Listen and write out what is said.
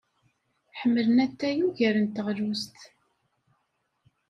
Ḥemmlen atay ugar n teɣlust.